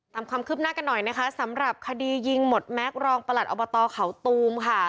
ตามความคืบหน้ากันหน่อยนะคะสำหรับคดียิงหมดแม็กซรองประหลัดอบตเขาตูมค่ะ